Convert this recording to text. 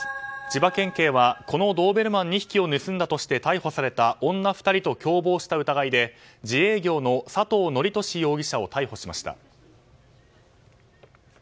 千葉県警はこのドーベルマン２匹を盗んだとして逮捕された女２人と共謀した疑いで自営業のサトウ・ノリトシ容疑者を逮捕しました。